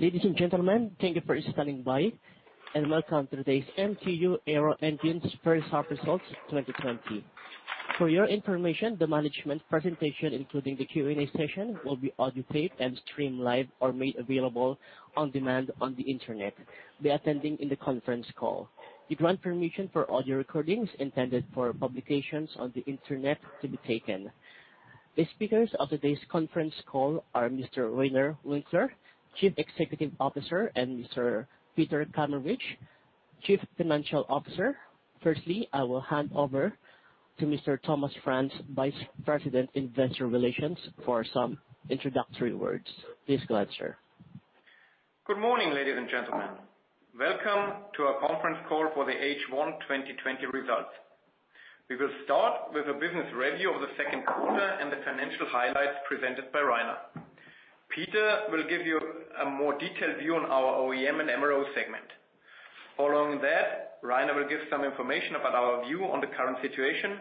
Ladies and gentlemen, thank you for standing by, and welcome to today's MTU Aero Engines first half results 2020. For your information, the management presentation, including the Q&A session, will be audio-taped and streamed live or made available on demand on the internet. By attending in the conference call. You grant permission for audio recordings intended for publications on the internet to be taken. The speakers of today's conference call are Mr. Reiner Winkler, Chief Executive Officer, and Mr. Peter Kameritsch, Chief Financial Officer. Firstly, I will hand over to Mr. Thomas Franz, Vice President, Investor Relations, for some introductory words. Please go ahead, sir. Good morning, ladies and gentlemen. Welcome to our conference call for the H1 2020 results. We will start with a business review of the second quarter and the financial highlights presented by Reiner. Peter will give you a more detailed view on our OEM and MRO segment. Following that, Reiner will give some information about our view on the current situation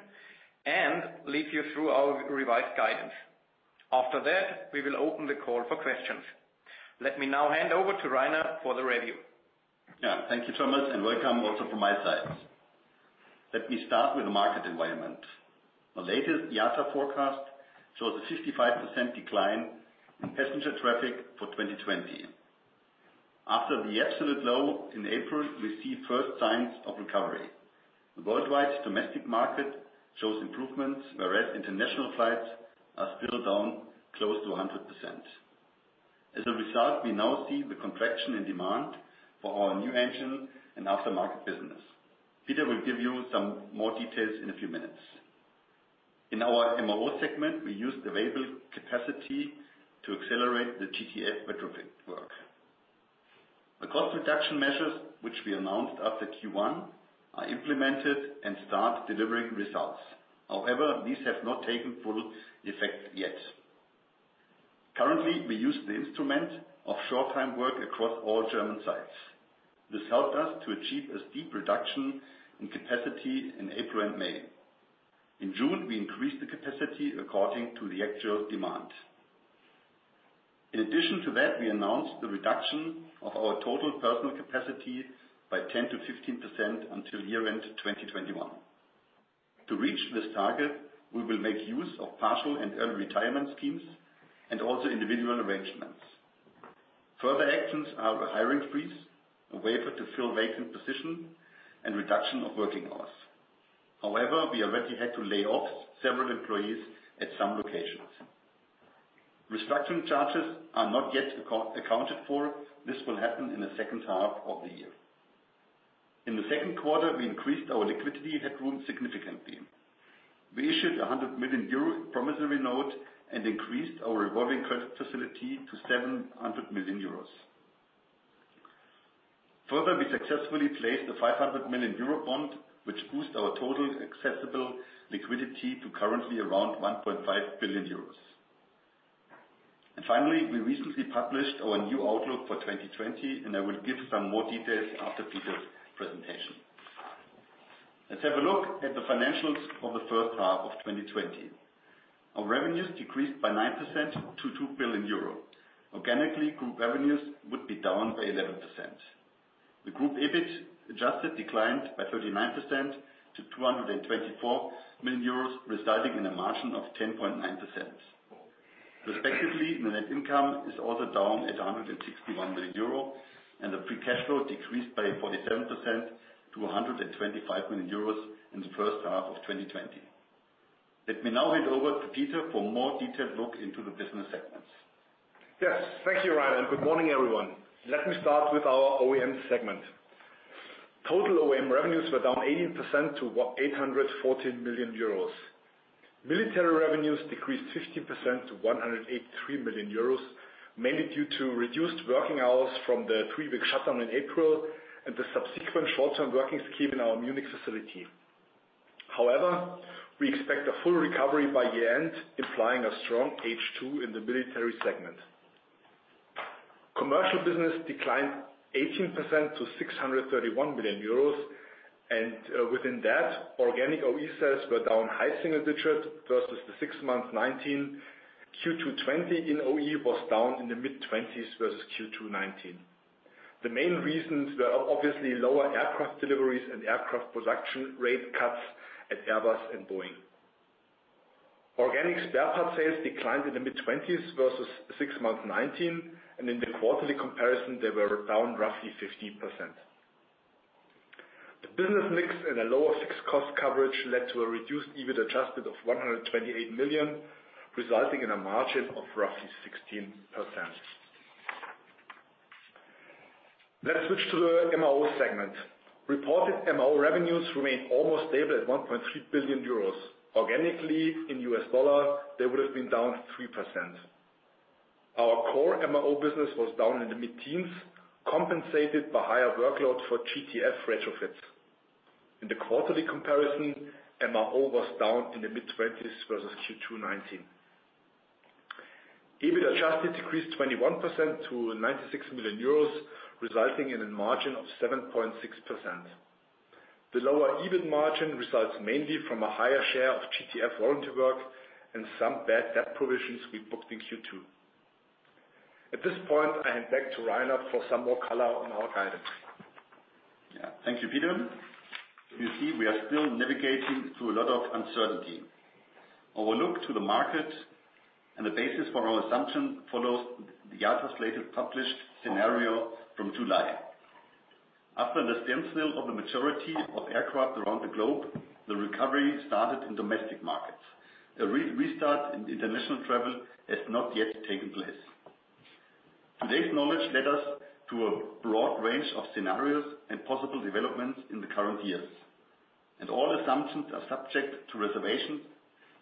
and lead you through our revised guidance. After that, we will open the call for questions. Let me now hand over to Reiner for the review. Yeah, thank you so much, and welcome also from my side. Let me start with the market environment. The latest IATA forecast shows a 55% decline in passenger traffic for 2020. After the absolute low in April, we see first signs of recovery. The worldwide domestic market shows improvements, whereas international flights are still down close to 100%. As a result, we now see the contraction in demand for our new engine and aftermarket business. Peter will give you some more details in a few minutes. In our MRO segment, we used available capacity to accelerate the GTF retrofit work. The cost reduction measures, which we announced after Q1, are implemented and start delivering results. However, these have not taken full effect yet. Currently, we use the instrument of short-time work across all German sites. This helped us to achieve a steep reduction in capacity in April and May. In June, we increased the capacity according to the actual demand. In addition to that, we announced the reduction of our total personal capacity by 10%-15% until year-end 2021. To reach this target, we will make use of partial and early retirement schemes and also individual arrangements. Further actions are a hiring freeze, a waiver to fill vacant positions, and reduction of working hours. However, we already had to lay off several employees at some locations. Restructuring charges are not yet accounted for. This will happen in the second half of the year. In the second quarter, we increased our liquidity headroom significantly. We issued a 100 million euro promissory note and increased our revolving credit facility to 700 million euros. Further, we successfully placed a 500 million euro bond, which boosts our total accessible liquidity to currently around 1.5 billion euros. Finally, we recently published our new outlook for 2020, and I will give some more details after Peter's presentation. Let's have a look at the financials for the first half of 2020. Our revenues decreased by 9% to 2 billion euro. Organically, group revenues would be down by 11%. The group EBIT Adjusted declined by 39% to 224 million euros, resulting in a margin of 10.9%. Respectively, net income is also down at 161 million euro, and the free cash flow decreased by 47% to 125 million euros in the first half of 2020. Let me now hand over to Peter for a more detailed look into the business segments. Yes, thank you, Reiner. And good morning, everyone. Let me start with our OEM segment. Total OEM revenues were down 18% to 840 million euros. Military revenues decreased 15% to 183 million euros, mainly due to reduced working hours from the three-week shutdown in April and the subsequent short-term working scheme in our Munich facility. However, we expect a full recovery by year-end, implying a strong H2 in the military segment. Commercial business declined 18% to 631 million euros, and within that, organic OE sales were down high single digits versus the six months 2019. Q2 2020 in OE was down in the mid-20s versus Q2 2019. The main reasons were obviously lower aircraft deliveries and aircraft production rate cuts at Airbus and Boeing. Organic spare part sales declined in the mid-20s versus six months 2019, and in the quarterly comparison, they were down roughly 15%. The business mix and a lower fixed cost coverage led to a reduced EBIT Adjusted of 128 million, resulting in a margin of roughly 16%. Let's switch to the MRO segment. Reported MRO revenues remained almost stable at 1.3 billion euros. Organically, in U.S. dollar, they would have been down 3%. Our core MRO business was down in the mid-teens, compensated by higher workload for GTF retrofits. In the quarterly comparison, MRO was down in the mid-20s versus Q2 2019. EBIT Adjusted decreased 21% to 96 million euros, resulting in a margin of 7.6%. The lower EBIT margin results mainly from a higher share of GTF voluntary work and some bad debt provisions we booked in Q2. At this point, I hand back to Reiner for some more color on our guidance. Yeah, thank you, Peter. You see, we are still navigating through a lot of uncertainty. Our look to the market and the basis for our assumption follows the IATA's latest published scenario from July. After the standstill of the majority of aircraft around the globe, the recovery started in domestic markets. A restart in international travel has not yet taken place. Today's knowledge led us to a broad range of scenarios and possible developments in the current years. All assumptions are subject to reservations,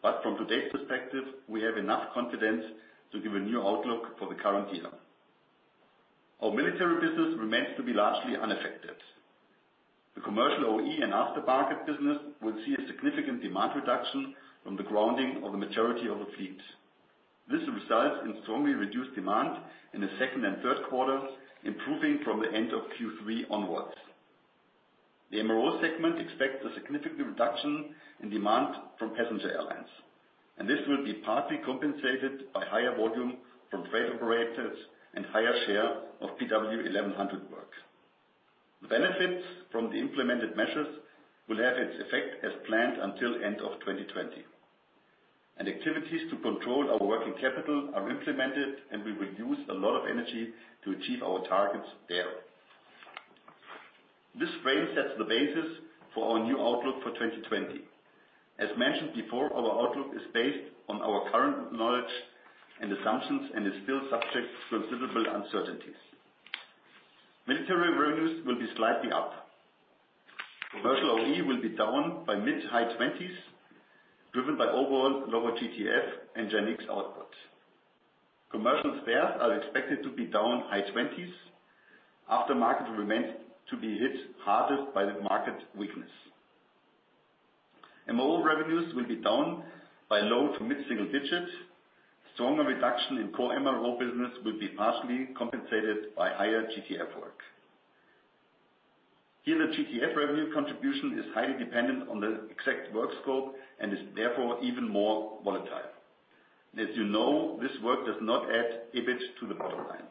but from today's perspective, we have enough confidence to give a new outlook for the current year. Our military business remains to be largely unaffected. The commercial OE and aftermarket business will see a significant demand reduction from the grounding of the majority of the fleet. This results in strongly reduced demand in the second and third quarter, improving from the end of Q3 onwards. The MRO segment expects a significant reduction in demand from passenger airlines, and this will be partly compensated by higher volume from freight operators and higher share of PW1100 work. The benefits from the implemented measures will have its effect as planned until the end of 2020, and activities to control our working capital are implemented, and we will use a lot of energy to achieve our targets there. This frame sets the basis for our new outlook for 2020. As mentioned before, our outlook is based on our current knowledge and assumptions and is still subject to considerable uncertainties. Military revenues will be slightly up. Commercial OE will be down by mid- to high 20s, driven by overall lower GTF and GEnx output. Commercial spares are expected to be down high 20s. Aftermarket remains to be hit harder by the market weakness. MRO revenues will be down by low- to mid-single digits. Stronger reduction in core MRO business will be partially compensated by higher GTF work. Here, the GTF revenue contribution is highly dependent on the exact work scope and is therefore even more volatile. And as you know, this work does not add EBIT to the bottom line.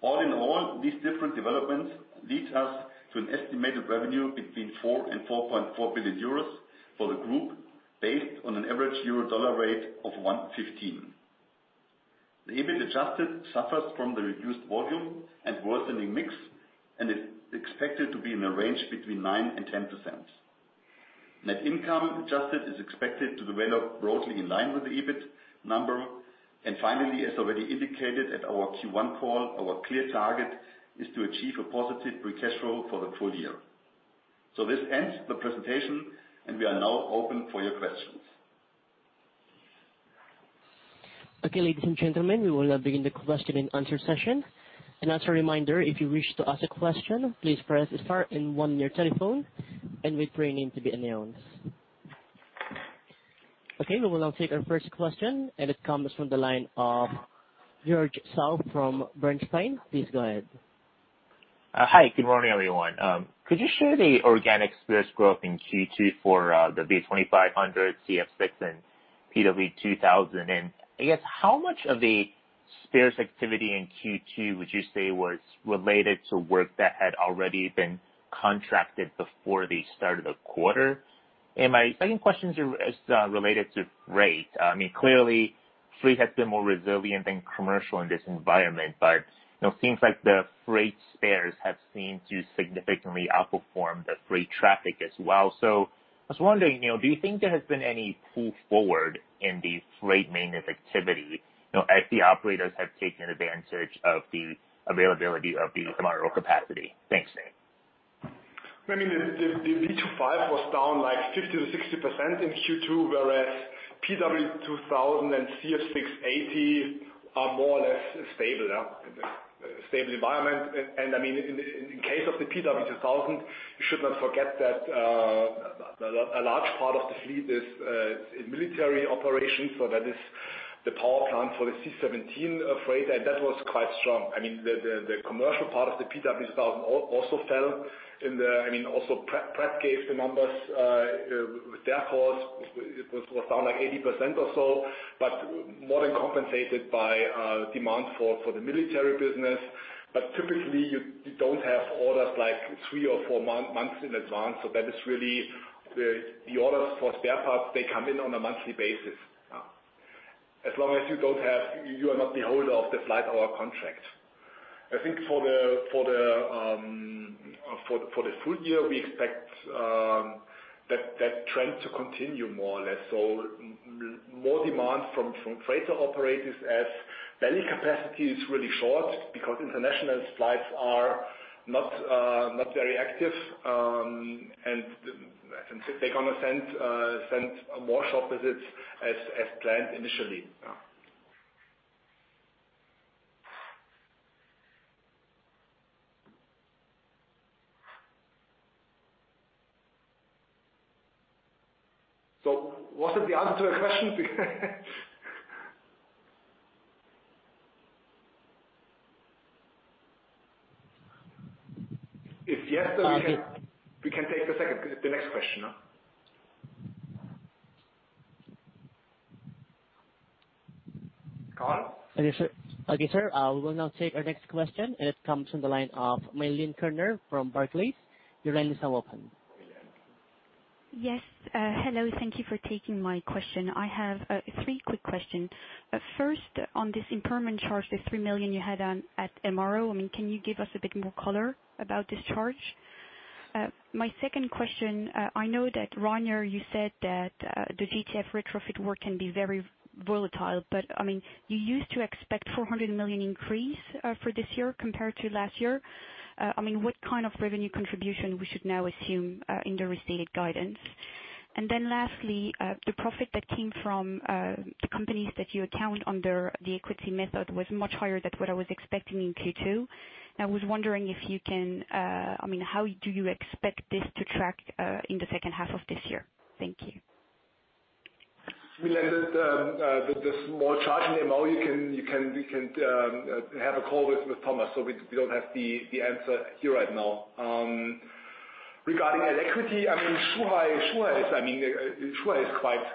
All in all, these different developments lead us to an estimated revenue between 4 billion and 4.4 billion euros for the group, based on an average euro/dollar rate of 1.15. The EBIT adjusted suffers from the reduced volume and worsening mix, and is expected to be in the range between 9% and 10%. Net income adjusted is expected to develop broadly in line with the EBIT number. And finally, as already indicated at our Q1 call, our clear target is to achieve a positive free cash flow for the full year. This ends the presentation, and we are now open for your questions. Okay, ladies and gentlemen, we will now begin the question and answer session. And as a reminder, if you wish to ask a question, please press star and one on your telephone, and wait for your name to be announced. Okay, we will now take our first question, and it comes from the line of George Zhao from Bernstein. Please go ahead. Hi, good morning, everyone. Could you share the organic spares growth in Q2 for the V2500, CF6, and PW2000? And I guess, how much of the spares activity in Q2 would you say was related to work that had already been contracted before the start of the quarter? And my second question is related to freight. I mean, clearly, freight has been more resilient than commercial in this environment, but it seems like the freight spares have seemed to significantly outperform the freight traffic as well. So I was wondering, do you think there has been any pull forward in the freight maintenance activity as the operators have taken advantage of the availability of the MRO capacity? Thanks. I mean, the V2500 was down like 50%-60% in Q2, whereas PW2000 and CF6-80 are more or less stable, stable environment. And I mean, in case of the PW2000, you should not forget that a large part of the fleet is in military operations, so that is the power plant for the C-17 freighter, and that was quite strong. I mean, the commercial part of the PW2000 also fell in the, I mean, also Pratt gave the numbers with their calls. It was down like 80% or so, but more than compensated by demand for the military business. But typically, you don't have orders like three or four months in advance, so that is really the orders for spare parts, they come in on a monthly basis. As long as you don't have, you are not holder of the flight hour contract. I think for the full year, we expect that trend to continue more or less. So more demand from freighter operators as value capacity is really short because international flights are not very active, and they're going to send more shop visits as planned initially. So was it the answer to your question? If yes, then we can take the next question. Okay, sir. We will now take our next question, and it comes from the line of Milene Kerner from Barclays. Your line is now open. Yes, hello. Thank you for taking my question. I have three quick questions. First, on this impairment charge, the 3 million you had at MRO, I mean, can you give us a bit more color about this charge? My second question, I know that Reiner, you said that the GTF retrofit work can be very volatile, but I mean, you used to expect a 400 million increase for this year compared to last year. I mean, what kind of revenue contribution we should now assume in the restated guidance? And then lastly, the profit that came from the companies that you account under the equity method was much higher than what I was expecting in Q2. I was wondering if you can, I mean, how do you expect this to track in the second half of this year? Thank you. We left the small charge in MRO. You can have a call with Thomas, so we don't have the answer here right now. Regarding the equity, I mean, Zhuhai is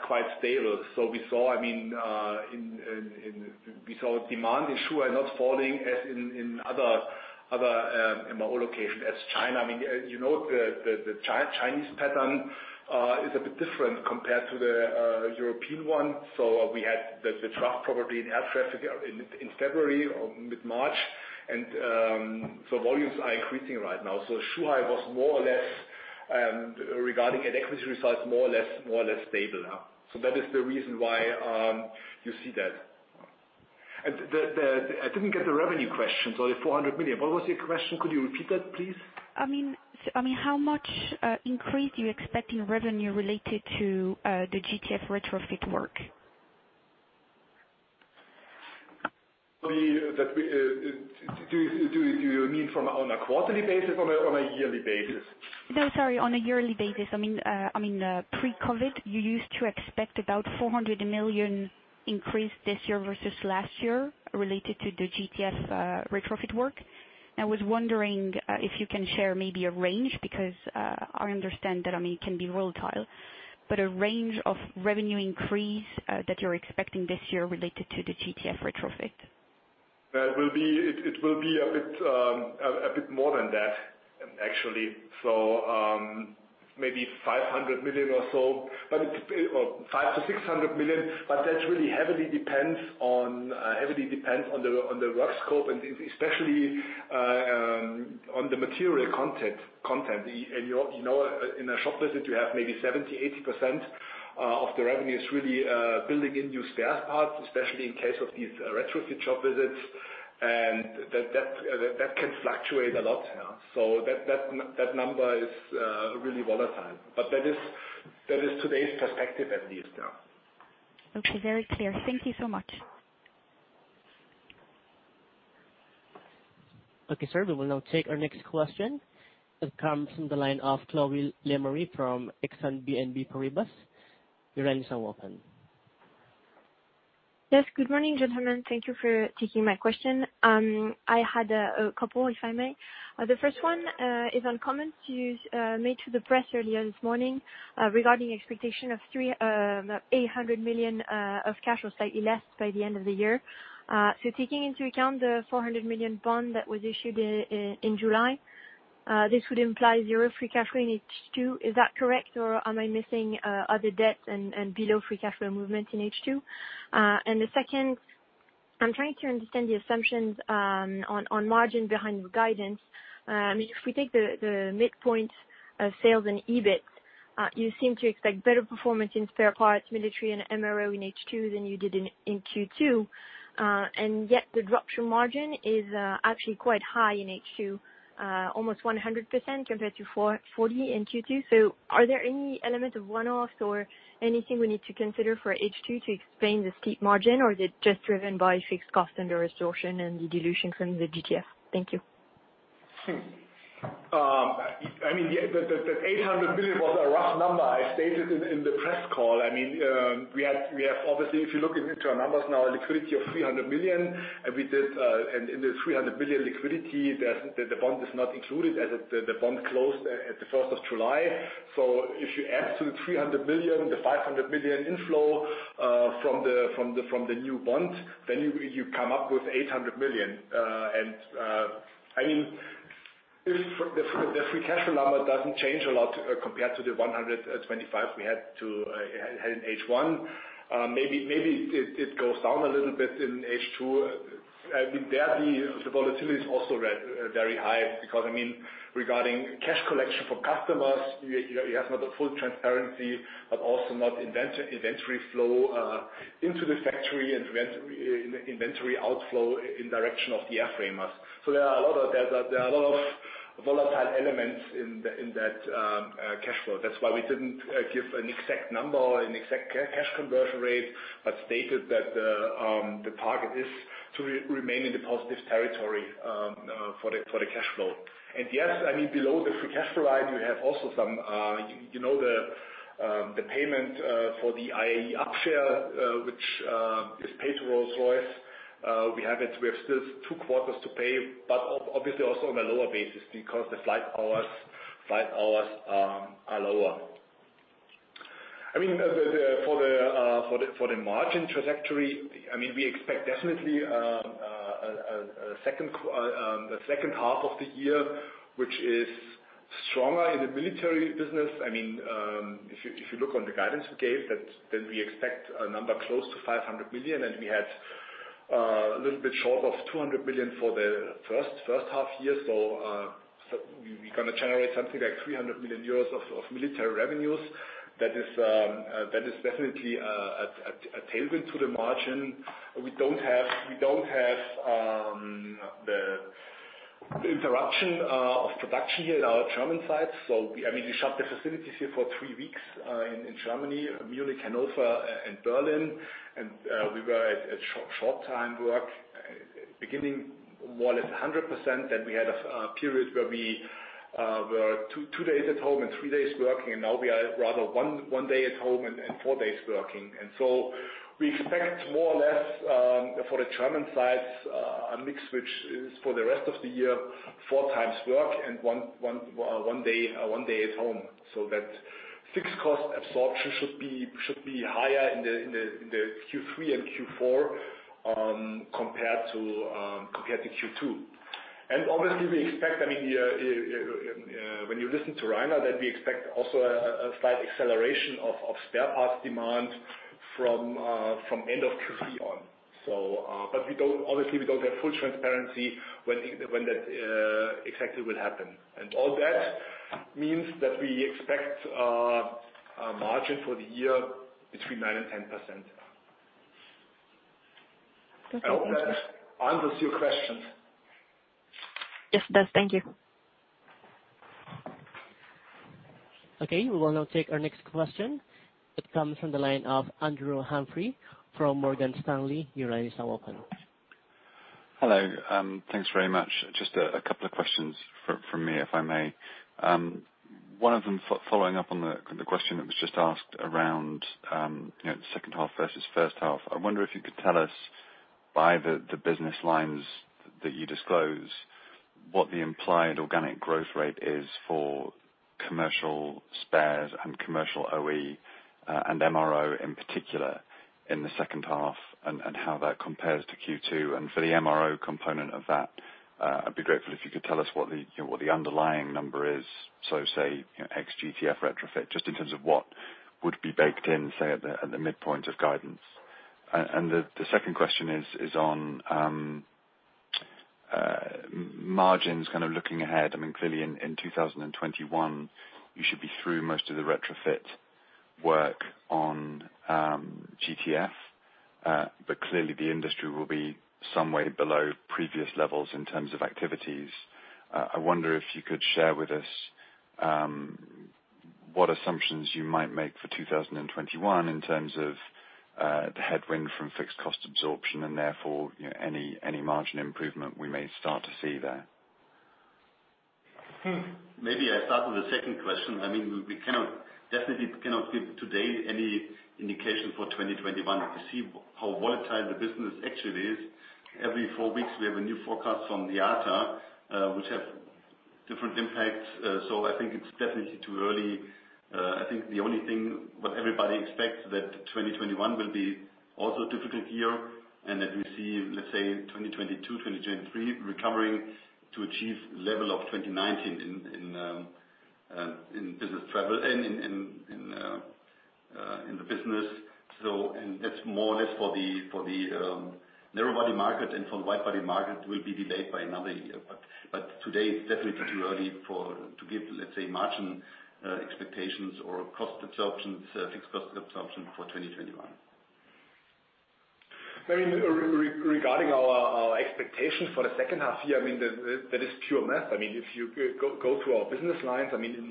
quite stable. So we saw, I mean, we saw demand in Zhuhai not falling as in other MRO locations in China. I mean, you know the Chinese pattern is a bit different compared to the European one. So we had the sharp drop in air traffic in February or mid-March, and so volumes are increasing right now. So Zhuhai was more or less, regarding the equity results, more or less stable. So that is the reason why you see that. And I didn't get the revenue question, so the 400 million. What was your question? Could you repeat that, please? I mean, how much increase do you expect in revenue related to the GTF retrofit work? Do you mean from on a quarterly basis or on a yearly basis? No, sorry, on a yearly basis. I mean, pre-COVID, you used to expect about 400 million increase this year versus last year related to the GTF retrofit work. And I was wondering if you can share maybe a range because I understand that, I mean, it can be volatile, but a range of revenue increase that you're expecting this year related to the GTF retrofit? It will be a bit more than that, actually, so maybe 500 million or so, but it's 500 million-600 million, but that really heavily depends on the work scope, and especially on the material content, and in a shop visit, you have maybe 70%-80% of the revenue is really building in new spare parts, especially in case of these retrofit shop visits, and that can fluctuate a lot, so that number is really volatile, but that is today's perspective, at least. Okay, very clear. Thank you so much. Okay, sir, we will now take our next question. It comes from the line of Chloé Lemarié from Exane BNP Paribas. Your line is open. Yes, good morning, gentlemen. Thank you for taking my question. I had a couple, if I may. The first one is on comments made to the press earlier this morning regarding expectation of 800 million of cash or slightly less by the end of the year. So taking into account the 400 million bond that was issued in July, this would imply zero free cash flow in H2. Is that correct, or am I missing other debts and below free cash flow movement in H2? And the second, I'm trying to understand the assumptions on margin behind the guidance. I mean, if we take the midpoint of sales and EBIT, you seem to expect better performance in spare parts, military, and MRO in H2 than you did in Q2. And yet, the drop-through margin is actually quite high in H2, almost 100% compared to 40% in Q2. So are there any elements of one-offs or anything we need to consider for H2 to explain the steep margin, or is it just driven by fixed cost under absorption and the dilution from the GTF? Thank you. I mean, the 800 million was a rough number I stated in the press call. I mean, we have obviously, if you look into our numbers now, a liquidity of 300 million. And in the 300 million liquidity, the bond is not included as the bond closed at the 1st of July. So if you add to the 300 million, the 500 million inflow from the new bond, then you come up with 800 million. And I mean, if the free cash flow number doesn't change a lot compared to the 125 million we had in H1, maybe it goes down a little bit in H2. I mean, there the volatility is also very high because, I mean, regarding cash collection from customers, you have not the full transparency, but also not inventory flow into the factory and inventory outflow in direction of the airframers. There are a lot of volatile elements in that cash flow. That's why we didn't give an exact number or an exact cash conversion rate, but stated that the target is to remain in the positive territory for the cash flow. And yes, I mean, below the free cash flow line, you have also some you know the payment for the IAE upshare, which is paid to Rolls-Royce. We have still two quarters to pay, but obviously also on a lower basis because the flight hours are lower. I mean, for the margin trajectory, I mean, we expect definitely a second half of the year, which is stronger in the military business. I mean, if you look on the guidance we gave, then we expect a number close to 500 million, and we had a little bit short of 200 million for the first half year. So we're going to generate something like 300 million euros of military revenues. That is definitely a tailwind to the margin. We don't have the interruption of production here in our German side. So I mean, we shut the facilities here for three weeks in Germany, Munich, Hannover, and Berlin, and we were at short-time work, beginning more or less 100%. Then we had a period where we were two days at home and three days working, and now we are rather one day at home and four days working. And so we expect more or less for the German side, a mix which is for the rest of the year, four times work and one day at home. So that fixed cost absorption should be higher in the Q3 and Q4 compared to Q2. And obviously, we expect, I mean, when you listen to Reiner, that we expect also a slight acceleration of spare parts demand from end of Q3 on. But obviously, we don't have full transparency when that exactly will happen. And all that means that we expect a margin for the year between 9% and 10%. I hope that answers your questions. Yes, it does. Thank you. Okay, we will now take our next question. It comes from the line of Andrew Humphrey from Morgan Stanley. You're line is now open. Hello. Thanks very much. Just a couple of questions from me, if I may. One of them following up on the question that was just asked around the second half versus first half. I wonder if you could tell us by the business lines that you disclose what the implied organic growth rate is for commercial spares and commercial OE and MRO in particular in the second half, and how that compares to Q2. And for the MRO component of that, I'd be grateful if you could tell us what the underlying number is. So say ex-GTF retrofit, just in terms of what would be baked in, say, at the midpoint of guidance. And the second question is on margins, kind of looking ahead. I mean, clearly in 2021, you should be through most of the retrofit work on GTF, but clearly the industry will be some way below previous levels in terms of activities. I wonder if you could share with us what assumptions you might make for 2021 in terms of the headwind from fixed cost absorption and therefore any margin improvement we may start to see there? Maybe I start with the second question. I mean, we definitely cannot give today any indication for 2021 to see how volatile the business actually is. Every four weeks, we have a new forecast from the IATA, which have different impacts. So I think it's definitely too early. I think the only thing what everybody expects is that 2021 will be also a difficult year and that we see, let's say, 2022, 2023 recovering to achieve level of 2019 in business travel and in the business. And that's more or less for the narrowbody market and for the widebody market will be delayed by another year. But today, it's definitely too early to give, let's say, margin expectations or cost absorption, fixed cost absorption for 2021. Regarding our expectation for the second half year, I mean, that is pure math. I mean, if you go through our business lines, I mean, in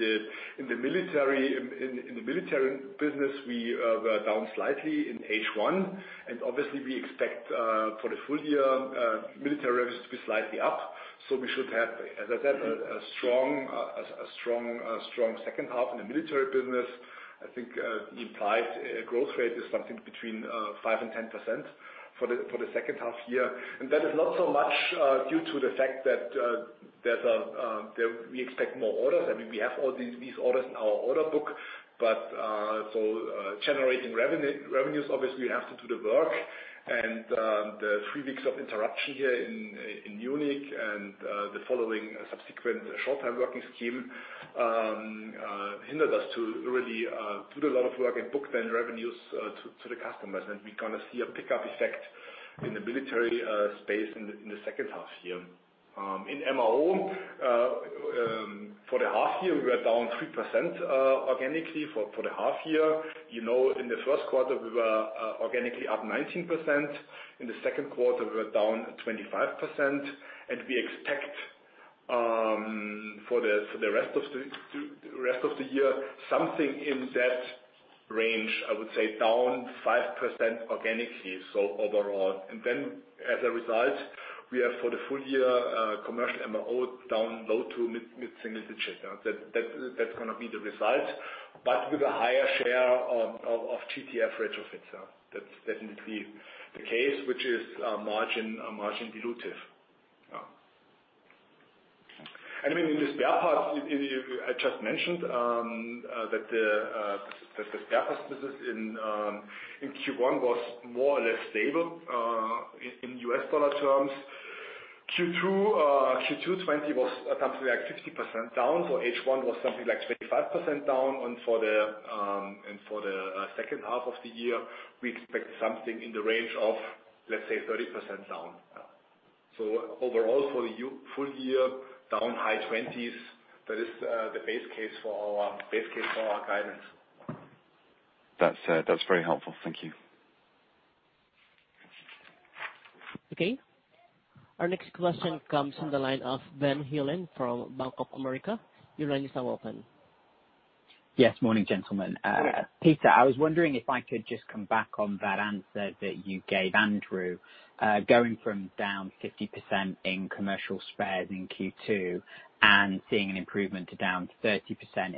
the military business, we were down slightly in H1. And obviously, we expect for the full year, military revenues to be slightly up. So we should have, as I said, a strong second half in the military business. I think the implied growth rate is something between 5% and 10% for the second half year. And that is not so much due to the fact that we expect more orders. I mean, we have all these orders in our order book. But so generating revenues, obviously, we have to do the work. The three weeks of interruption here in Munich and the following subsequent short-time working scheme hindered us to really do a lot of work and book then revenues to the customers. We're going to see a pickup effect in the military space in the second half year. In MRO, for the half year, we were down 3% organically for the half year. In the first quarter, we were organically up 19%. In the second quarter, we were down 25%. We expect for the rest of the year something in that range, I would say, down 5% organically, so overall. As a result, we have for the full year, commercial MRO down low- to mid-single-digit. That's going to be the result, but with a higher share of GTF retrofits. That's definitely the case, which is margin dilutive. I mean, in the spare parts, I just mentioned that the spare parts business in Q1 was more or less stable in U.S. dollar terms. Q2, Q2 2020, was something like 50% down. H1 was something like 25% down. For the second half of the year, we expect something in the range of, let's say, 30% down. Overall, for the full year, down high 20s%. That is the base case for our guidance. That's very helpful. Thank you. Okay. Our next question comes from the line of Ben Heelan from Bank of America. You're line is now open. Yes. Morning, gentlemen. Peter, I was wondering if I could just come back on that answer that you gave, Andrew. Going from down 50% in commercial spares in Q2 and seeing an improvement to down 30%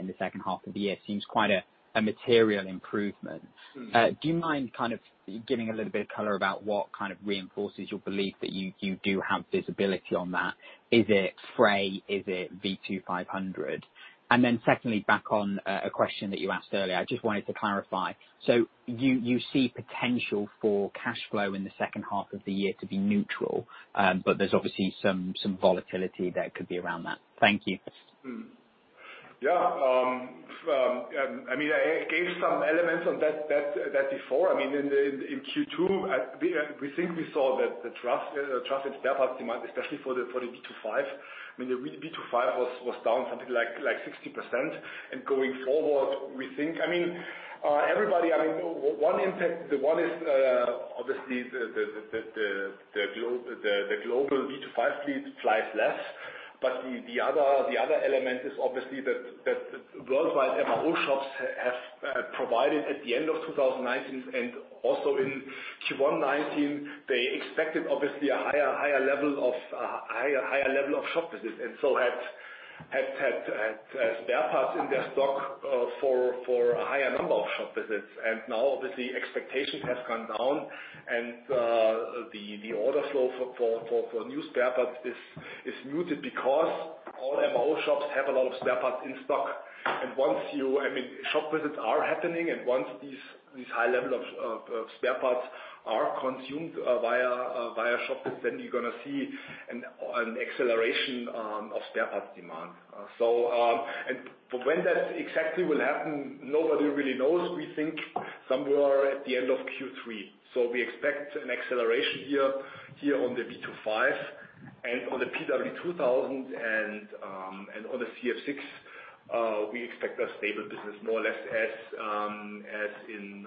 in the second half of the year seems quite a material improvement. Do you mind kind of giving a little bit of color about what kind of reinforces your belief that you do have visibility on that? Is it freight? Is it V2500? And then secondly, back on a question that you asked earlier, I just wanted to clarify. So you see potential for cash flow in the second half of the year to be neutral, but there's obviously some volatility that could be around that. Thank you. Yeah. I mean, I gave some elements on that before. I mean, in Q2, we think we saw that the trust in spare parts demand, especially for the V2500, I mean, the V2500 was down something like 60%. And going forward, we think, I mean, everybody, I mean, one impact, the one is obviously the global V2500 fleet flies less. But the other element is obviously that worldwide MRO shops have provided at the end of 2019 and also in Q1 2019, they expected obviously a higher level of shop visits. And so had spare parts in their stock for a higher number of shop visits. And now, obviously, expectations have gone down. And the order flow for new spare parts is muted because all MRO shops have a lot of spare parts in stock. And once you, I mean, shop visits are happening, and once these high levels of spare parts are consumed via shop visits, then you're going to see an acceleration of spare parts demand. And when that exactly will happen, nobody really knows. We think somewhere at the end of Q3. So we expect an acceleration here on the V2500 and on the PW2000. And on the CF6, we expect a stable business, more or less as in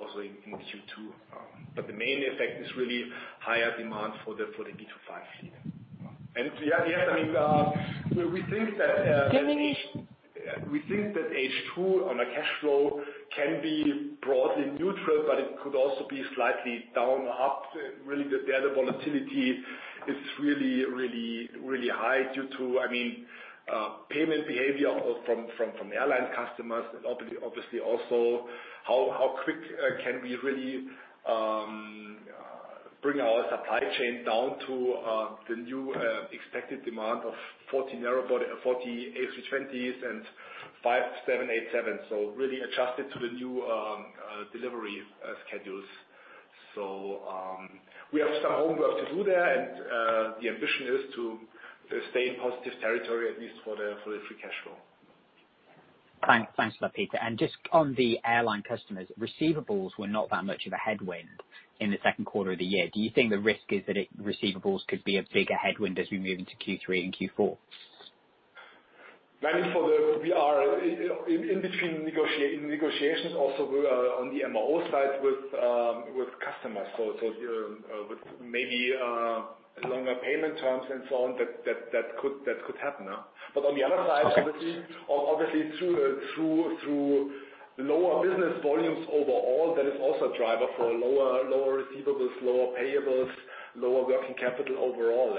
also in Q2. But the main effect is really higher demand for the V2500 fleet. And yes, I mean, we think that. We think that H2 on a cash flow can be broadly neutral, but it could also be slightly down or up. Really, the volatility is really, really high due to, I mean, payment behavior from airline customers and obviously also how quick can we really bring our supply chain down to the new expected demand of 40 A320s and 787s. So really adjusted to the new delivery schedules. So we have some homework to do there, and the ambition is to stay in positive territory, at least for the free cash flow. Thanks for that, Peter, and just on the airline customers, receivables were not that much of a headwind in the second quarter of the year. Do you think the risk is that receivables could be a bigger headwind as we move into Q3 and Q4? I mean, we are in between negotiations also on the MRO side with customers, so maybe longer payment terms and so on, that could happen, but on the other side, obviously, through lower business volumes overall, that is also a driver for lower receivables, lower payables, lower working capital overall.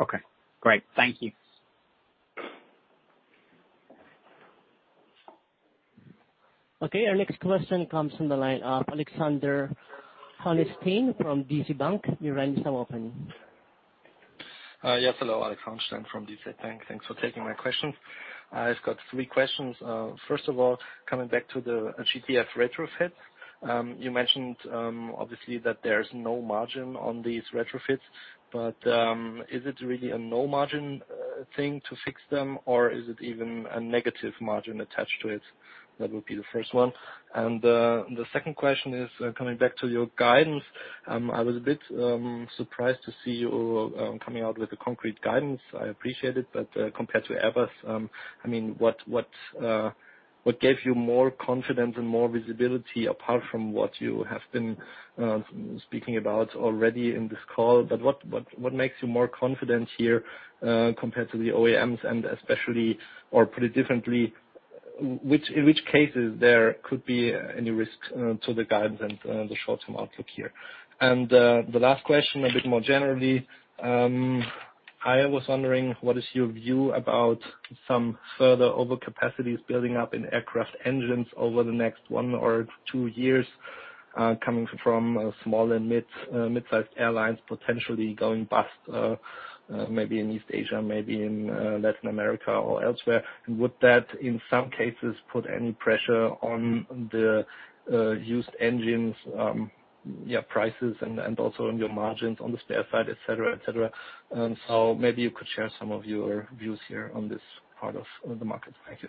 Okay. Great. Thank you. Okay. Our next question comes from the line of Alexander Hauenstein from DZ BANK. You're line is now open. Yes. Hello, Alexander from DZ BANK. Thanks for taking my questions. I've got three questions. First of all, coming back to the GTF retrofits, you mentioned obviously that there's no margin on these retrofits. But is it really a no margin thing to fix them, or is it even a negative margin attached to it? That would be the first one. And the second question is coming back to your guidance. I was a bit surprised to see you coming out with a concrete guidance. I appreciate it. But compared to Airbus, I mean, what gave you more confidence and more visibility apart from what you have been speaking about already in this call? But what makes you more confident here compared to the OEMs and especially, or put it differently, in which cases there could be any risk to the guidance and the short-term outlook here? The last question, a bit more generally, I was wondering what is your view about some further overcapacities building up in aircraft engines over the next one or two years coming from small and mid-sized airlines potentially going bust, maybe in East Asia, maybe in Latin America or elsewhere? Would that in some cases put any pressure on the used engines, yeah, prices and also on your margins on the spare side, etc., etc.? Maybe you could share some of your views here on this part of the market. Thank you.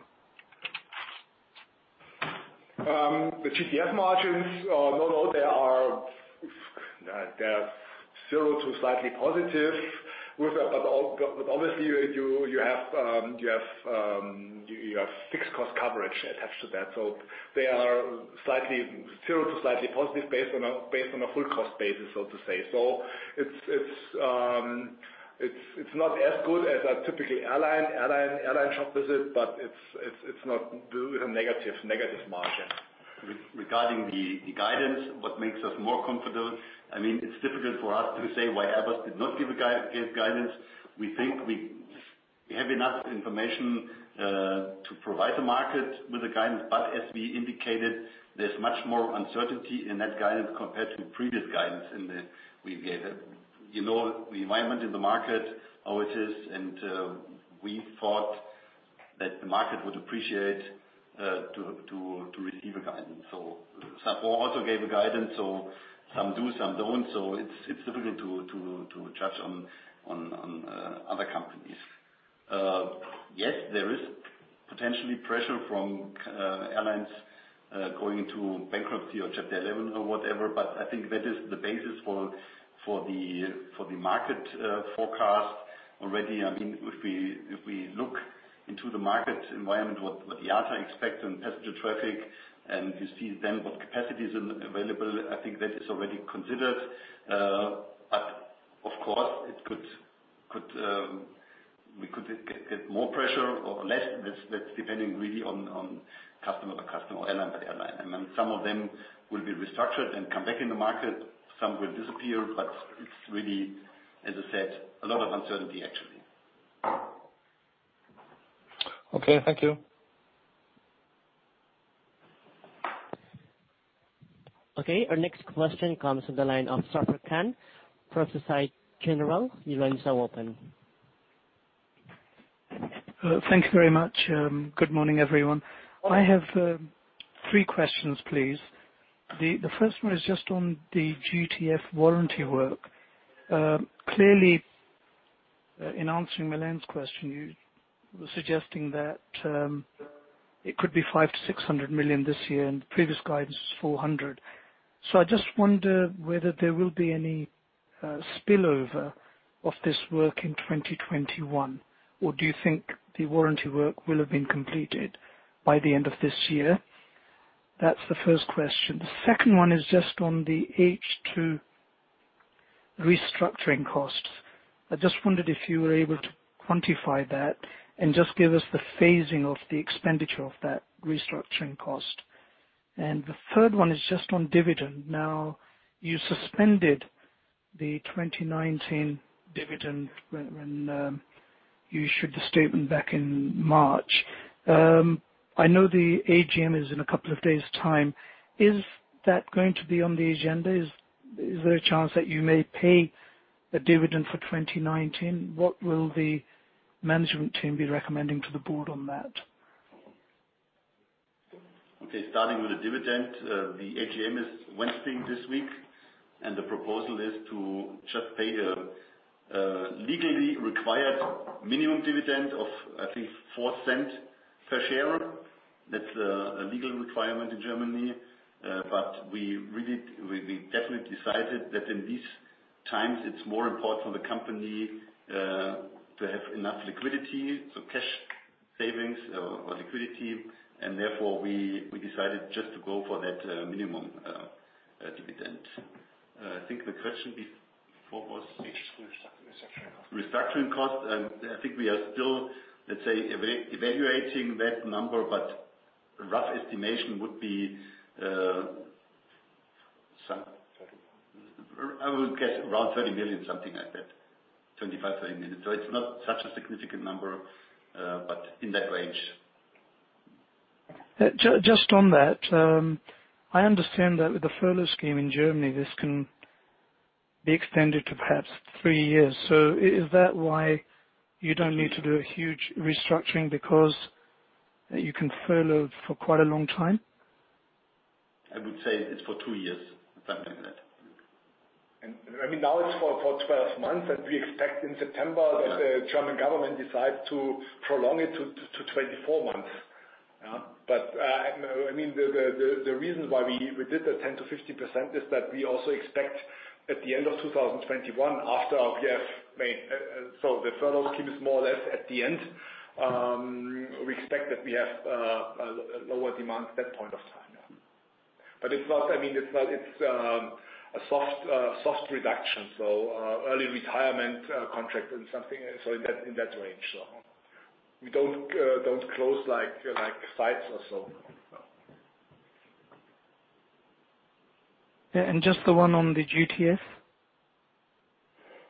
The GTF margins, no, no, they are zero to slightly positive. But obviously, you have fixed cost coverage attached to that. So they are slightly zero to slightly positive based on a full cost basis, so to say. So it's not as good as a typical airline shop visit, but it's not a negative margin. Regarding the guidance, what makes us more comfortable? I mean, it's difficult for us to say why Airbus did not give guidance. We think we have enough information to provide the market with the guidance. But as we indicated, there's much more uncertainty in that guidance compared to previous guidance we gave. The environment in the market, how it is, and we thought that the market would appreciate to receive a guidance. Some also gave a guidance, so some do, some don't. It's difficult to judge on other companies. Yes, there is potentially pressure from airlines going into bankruptcy or Chapter 11 or whatever. But I think that is the basis for the market forecast already. I mean, if we look into the market environment, what the IATA expects on passenger traffic, and you see then what capacity is available, I think that is already considered. But of course, we could get more pressure or less. That's depending really on customer by customer or airline by airline. I mean, some of them will be restructured and come back in the market. Some will disappear. But it's really, as I said, a lot of uncertainty, actually. Okay. Thank you. Okay. Our next question comes from the line of Zafar Khan, Société Générale. You're line is now open. Thank you very much. Good morning, everyone. I have three questions, please. The first one is just on the GTF warranty work. Clearly, in answering Milene's question, you were suggesting that it could be 500 million-600 million this year, and the previous guidance was 400 million. So I just wonder whether there will be any spillover of this work in 2021, or do you think the warranty work will have been completed by the end of this year? That's the first question. The second one is just on the H2 restructuring costs. I just wondered if you were able to quantify that and just give us the phasing of the expenditure of that restructuring cost. And the third one is just on dividend. Now, you suspended the 2019 dividend when you issued the statement back in March. I know the AGM is in a couple of days' time. Is that going to be on the agenda? Is there a chance that you may pay a dividend for 2019? What will the management team be recommending to the board on that? Okay. Starting with the dividend, the AGM is Wednesday this week, and the proposal is to just pay a legally required minimum dividend of, I think, 0.04 per share. That's a legal requirement in Germany. But we definitely decided that in these times, it's more important for the company to have enough liquidity, so cash savings or liquidity. And therefore, we decided just to go for that minimum dividend. I think the question before was. Restructuring cost. Restructuring cost. I think we are still, let's say, evaluating that number, but a rough estimation would be, I would guess, around 30 million, something like that, 25 million-30 million. So it's not such a significant number, but in that range. Just on that, I understand that with the furlough scheme in Germany, this can be extended to perhaps three years. So is that why you don't need to do a huge restructuring because you can furlough for quite a long time? I would say it's for two years, something like that. I mean, now it's for 12 months, and we expect in September that the German government decides to prolong it to 24 months, but I mean, the reason why we did the 10%-50% is that we also expect at the end of 2021, after we have made so the furlough scheme is more or less at the end. We expect that we have lower demand at that point of time. But I mean, it's a soft reduction, so early retirement contract and something, so in that range, so we don't close like sites or so. Just the one on the GTF?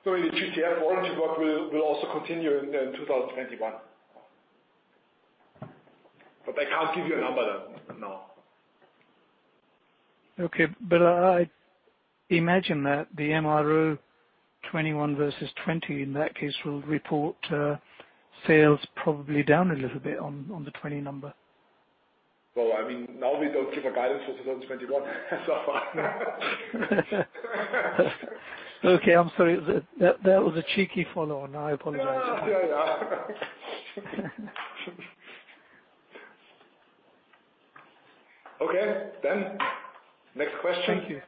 So in the GTF, warranty work will also continue in 2021. But I can't give you a number though, no. Okay. But I imagine that the MRO 2021 versus 2020, in that case, will report sales probably down a little bit on the 2020 number. I mean, now we don't give a guidance for 2021 so far. Okay. I'm sorry. That was a cheeky follow-on. I apologize. Yeah, yeah, yeah. Okay. Then next question. Thank you.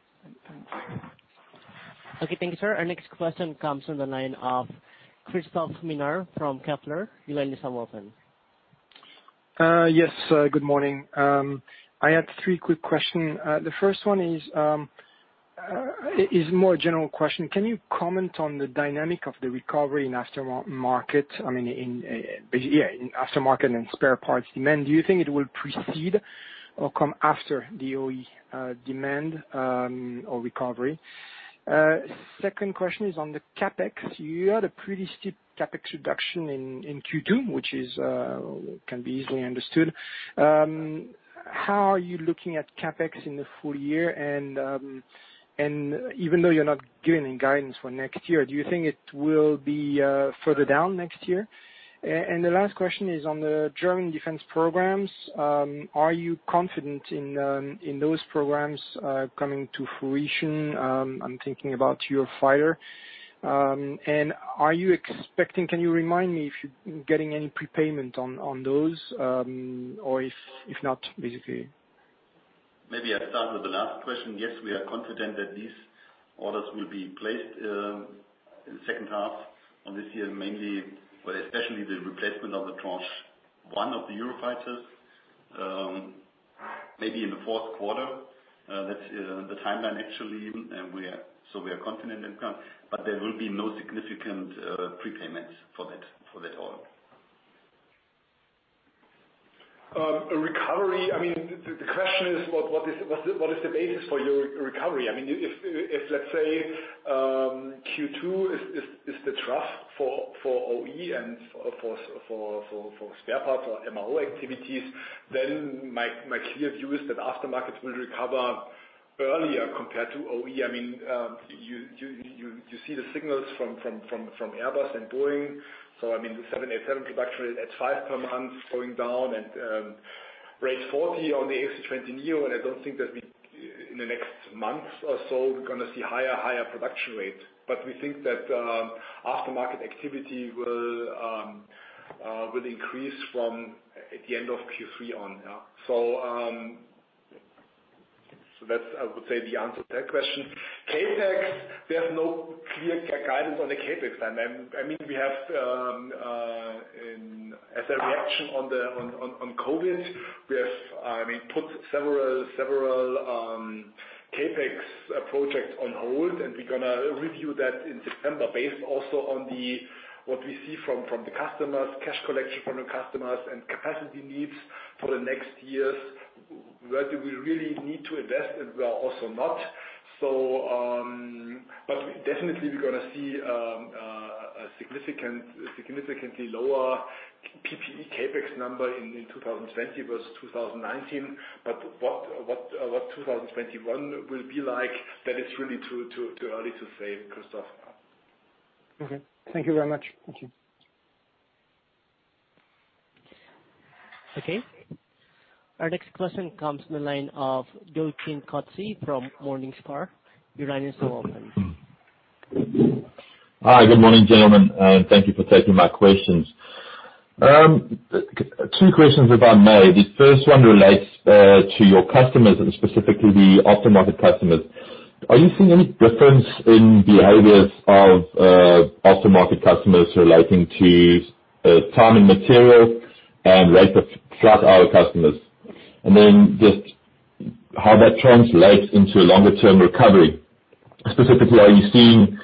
Okay. Thank you, sir. Our next question comes from the line of Christophe Ménard from Kepler. You're ready. So welcome. Yes. Good morning. I had three quick questions. The first one is more a general question. Can you comment on the dynamic of the recovery in aftermarket and spare parts demand? Do you think it will precede or come after the OE demand or recovery? Second question is on the CapEx. You had a pretty steep CapEx reduction in Q2, which can be easily understood. How are you looking at CapEx in the full year? And even though you're not giving any guidance for next year, do you think it will be further down next year? And the last question is on the German defense programs. Are you confident in those programs coming to fruition? I'm thinking about your fighter. And can you remind me if you're getting any prepayment on those, or if not, basically? Maybe I'll start with the last question. Yes, we are confident that these orders will be placed in the second half of this year, mainly, but especially the replacement of the Tranche 1 of the Eurofighters, maybe in the fourth quarter. That's the timeline, actually. So we are confident in that. But there will be no significant prepayments for that order. I mean, the question is, what is the basis for your recovery? I mean, if, let's say, Q2 is the trough for OE and for spare parts or MRO activities, then my clear view is that aftermarket will recover earlier compared to OE. I mean, you see the signals from Airbus and Boeing. So I mean, the 787 production is at five per month, going down at rate 40 on the A320neo. And I don't think that in the next months or so, we're going to see higher production rates. But we think that aftermarket activity will increase from the end of Q3 on. So that's, I would say, the answer to that question. There's no clear guidance on the CapEx time. I mean, as a reaction on COVID, we have, I mean, put several CapEx projects on hold, and we're going to review that in September based also on what we see from the customers, cash collection from the customers, and capacity needs for the next years. Where do we really need to invest and where also not? But definitely, we're going to see a significantly lower PPE CapEx number in 2020 versus 2019. But what 2021 will be like, that is really too early to say, Christophe. Okay. Thank you very much. Thank you. Okay. Our next question comes from the line of Joachim Kotze from Morningstar. You're ready. So welcome. Hi. Good morning, gentlemen. Thank you for taking my questions. Two questions, if I may. The first one relates to your customers, and specifically the aftermarket customers. Are you seeing any difference in behaviors of aftermarket customers relating to time and material and rate per flight hour customers? And then just how that translates into a longer-term recovery. Specifically, are you seeing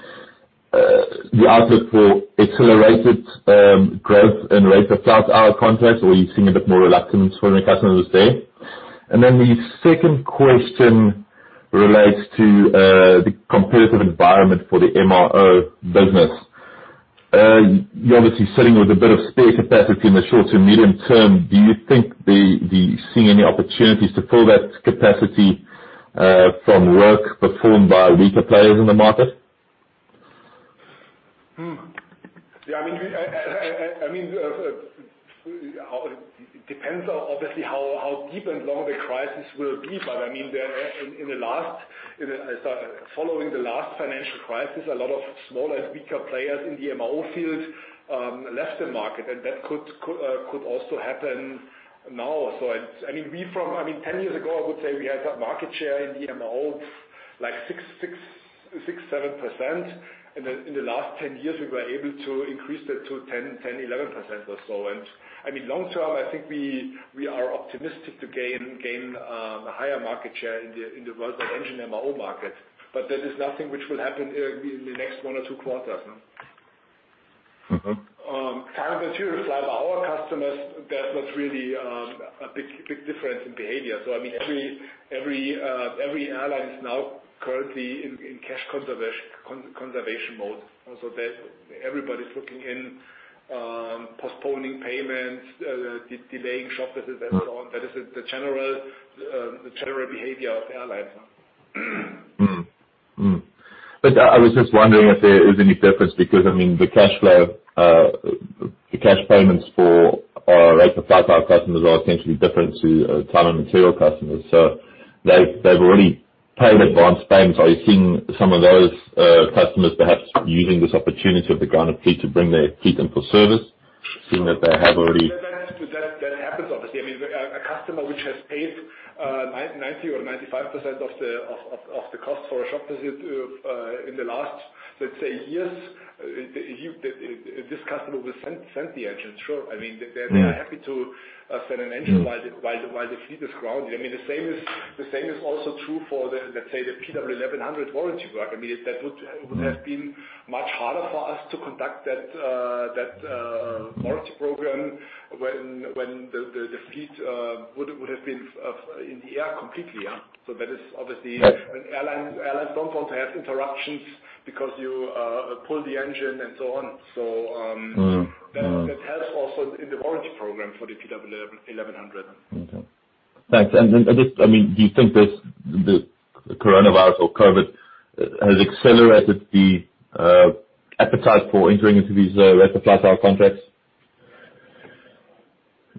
the outlook for accelerated growth in rate per flight hour contracts, or are you seeing a bit more reluctance for the customers there? And then the second question relates to the competitive environment for the MRO business. You're obviously sitting with a bit of spare capacity in the short to medium term. Do you think you're seeing any opportunities to fill that capacity from work performed by weaker players in the market? Yeah. I mean, it depends, obviously, how deep and long the crisis will be, but I mean, following the last financial crisis, a lot of smaller and weaker players in the MRO field left the market, and that could also happen now, so I mean, I mean, 10 years ago, I would say we had a market share in the MRO of like 6-7%. And in the last 10 years, we were able to increase that to 10-11% or so, and I mean, long term, I think we are optimistic to gain a higher market share in the worldwide engine MRO market, but that is nothing which will happen in the next one or two quarters. Time and Material flight hour customers, there's not really a big difference in behavior, so I mean, every airline is now currently in cash conservation mode. So everybody's looking to postpone payments, delaying shop visits, and so on. That is the general behavior of airlines. I was just wondering if there is any difference because, I mean, the cash payments for rate per flight hour customers are essentially different to time and material customers. So they've already paid advance payments. Are you seeing some of those customers perhaps using this opportunity of the grounded fleet to bring their fleet in for service, seeing that they have already? That happens, obviously. I mean, a customer which has paid 90% or 95% of the cost for a shop visit in the last, let's say, years, this customer will send the engines, sure. I mean, they are happy to send an engine while the fleet is grounded. I mean, the same is also true for, let's say, the PW1100 warranty work. I mean, that would have been much harder for us to conduct that warranty program when the fleet would have been in the air completely. So that is obviously when airlines don't want to have interruptions because you pull the engine and so on. So that helps also in the warranty program for the PW1100. Thanks, and I mean, do you think that the coronavirus or COVID has accelerated the appetite for entering into these rate of flight hour contracts?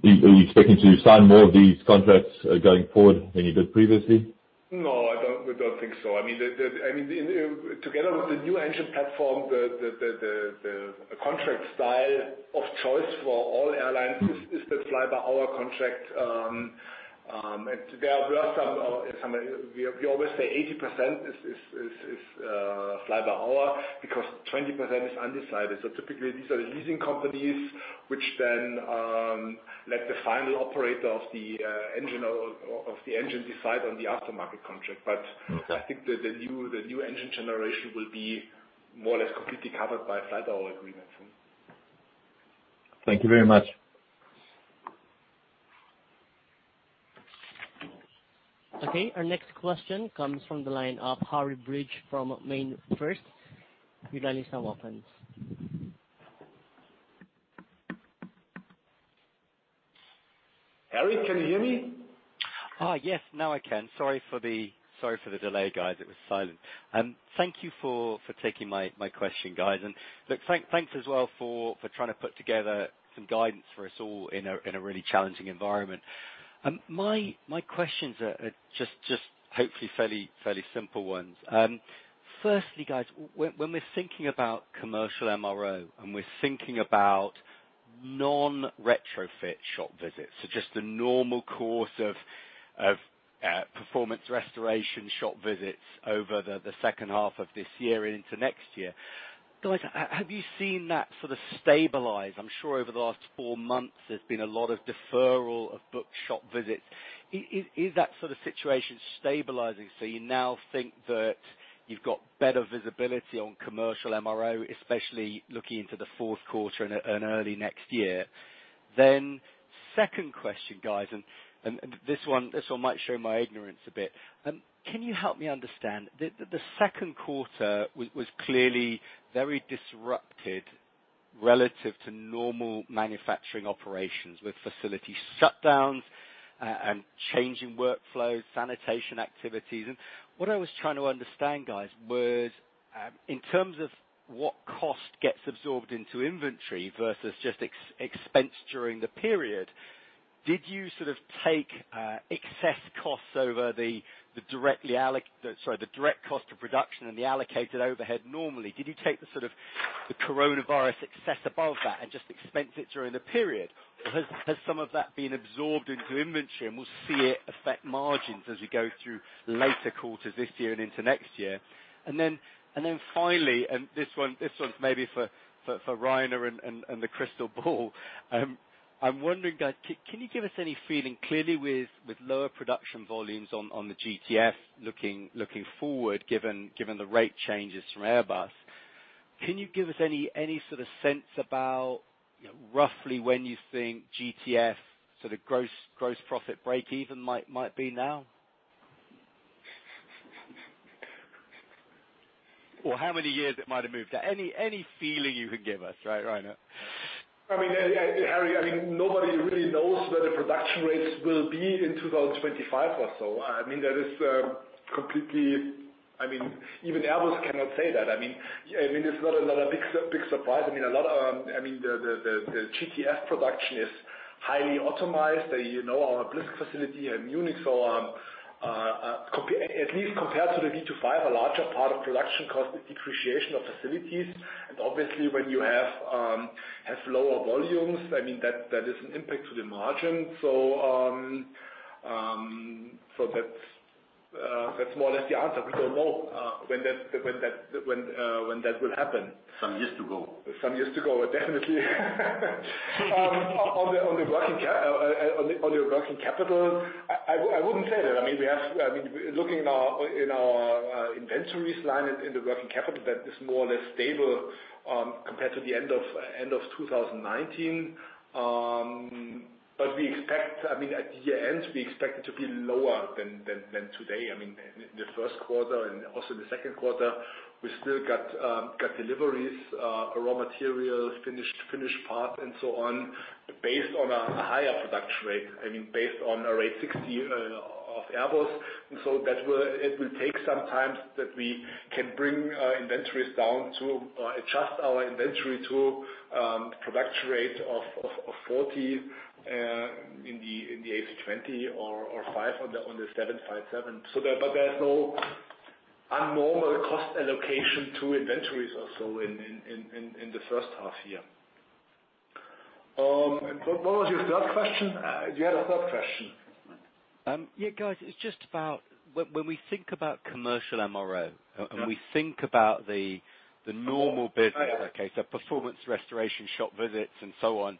Are you expecting to sign more of these contracts going forward than you did previously? No, I don't think so. I mean, together with the new engine platform, the contract style of choice for all airlines is the flight-hour contract. And there were some we always say 80% is flight-hour because 20% is undecided. So typically, these are the leasing companies which then let the final operator of the engine decide on the aftermarket contract. But I think the new engine generation will be more or less completely covered by flight-hour agreements. Thank you very much. Okay. Our next question comes from the line of Harry Breach from MainFirst. You're ready. So welcome. Harry, can you hear me? Yes. Now I can. Sorry for the delay, guys. It was silent. Thank you for taking my question, guys, and thanks as well for trying to put together some guidance for us all in a really challenging environment. My questions are just hopefully fairly simple ones. Firstly, guys, when we're thinking about commercial MRO and we're thinking about non-retrofit shop visits, so just the normal course of performance restoration shop visits over the second half of this year and into next year, guys, have you seen that sort of stabilize? I'm sure over the last four months, there's been a lot of deferral of booked shop visits. Is that sort of situation stabilizing? So you now think that you've got better visibility on commercial MRO, especially looking into the fourth quarter and early next year, then second question, guys, and this one might show my ignorance a bit. Can you help me understand? The second quarter was clearly very disrupted relative to normal manufacturing operations with facility shutdowns and changing workflows, sanitation activities. And what I was trying to understand, guys, was in terms of what cost gets absorbed into inventory versus just expense during the period, did you sort of take excess costs over the direct, sorry, the direct cost of production and the allocated overhead normally? Did you take sort of the coronavirus excess above that and just expense it during the period? Has some of that been absorbed into inventory? And we'll see it affect margins as we go through later quarters this year and into next year. Then finally, and this one's maybe for Reiner and the crystal ball, I'm wondering, guys. Can you give us any feeling, clearly with lower production volumes on the GTF looking forward, given the rate changes from Airbus, can you give us any sort of sense about roughly when you think GTF sort of gross profit break even might be now? Or how many years it might have moved? Any feeling you can give us, right, Reiner? I mean, Harry, I mean, nobody really knows where the production rates will be in 2025 or so. I mean, that is completely I mean, even Airbus cannot say that. I mean, it's not a big surprise. I mean, a lot of I mean, the GTF production is highly optimized. You know our blisk facility here in Munich. So at least compared to the V2500, a larger part of production cost is depreciation of facilities. And obviously, when you have lower volumes, I mean, that is an impact to the margin. So that's more or less the answer. We don't know when that will happen. Some years to go. Some years to go. Definitely. On the working capital, I wouldn't say that. I mean, looking in our inventories line and the working capital, that is more or less stable compared to the end of 2019. But I mean, at year-end, we expect it to be lower than today. I mean, in the first quarter and also in the second quarter, we still got deliveries, raw materials, finished parts, and so on, based on a higher production rate. I mean, based on a rate 60 of Airbus. And so it will take some time that we can bring inventories down to adjust our inventory to production rate of 40 in the A320 or five on the 757. But there's no abnormal cost allocation to inventories or so in the first half year. What was your third question? You had a third question. Yeah, guys, it's just about when we think about commercial MRO and we think about the normal business. Okay. So performance restoration shop visits and so on,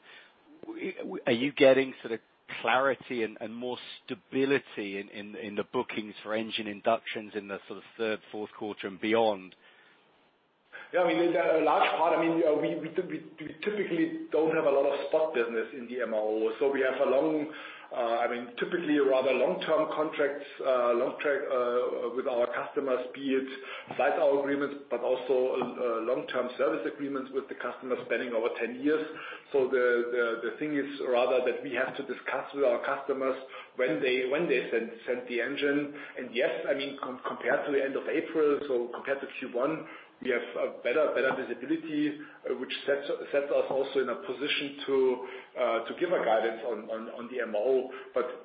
are you getting sort of clarity and more stability in the bookings for engine inductions in the sort of third, fourth quarter and beyond? Yeah. I mean, a large part, I mean, we typically don't have a lot of spot business in the MRO, so we have a long I mean, typically rather long-term contracts with our customers, be it flight-hour agreements, but also long-term service agreements with the customers spanning over 10 years. So the thing is rather that we have to discuss with our customers when they send the engine, and yes, I mean, compared to the end of April, so compared to Q1, we have better visibility, which sets us also in a position to give a guidance on the MRO, but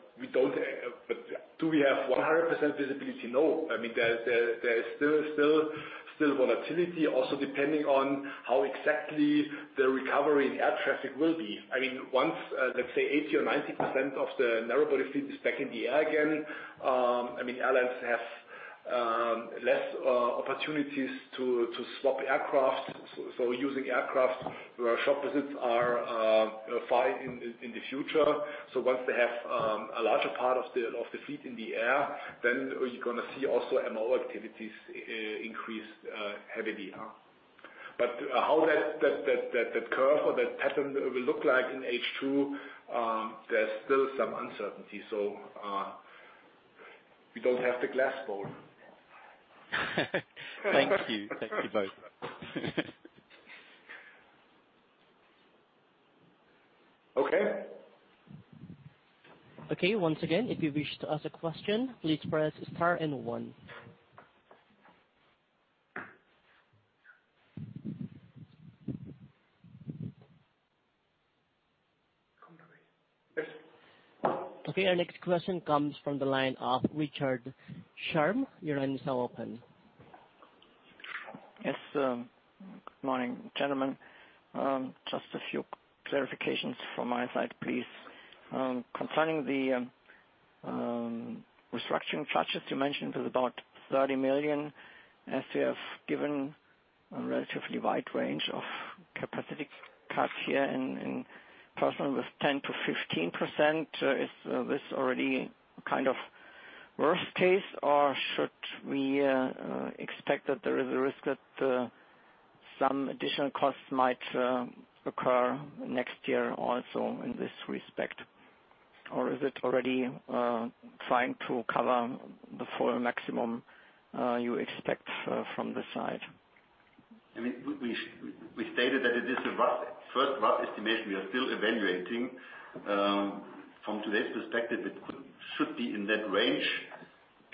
do we have 100% visibility? No. I mean, there is still volatility, also depending on how exactly the recovery in air traffic will be. I mean, once, let's say, 80% or 90% of the narrowbody fleet is back in the air again, I mean, airlines have less opportunities to swap aircraft. So using aircraft where shop visits are far in the future. So once they have a larger part of the fleet in the air, then you're going to see also MRO activities increase heavily. But how that curve or that pattern will look like in H2, there's still some uncertainty. So we don't have the glass ball. Thank you. Thank you both. Okay. Okay. Once again, if you wish to ask a question, please press star and one. Okay. Our next question comes from the line of Richard Schramm. You're ready. So welcome. Yes. Good morning, gentlemen. Just a few clarifications from my side, please. Concerning the restructuring charges you mentioned, it's about 30 million. As you have given a relatively wide range of capacity cuts here in percent with 10%-15%, is this already kind of worst case, or should we expect that there is a risk that some additional costs might occur next year also in this respect? Or is it already trying to cover the full maximum you expect from this side? I mean, we stated that it is a first rough estimation. We are still evaluating. From today's perspective, it should be in that range.